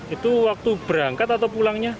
itu waktu berangkat atau pulangnya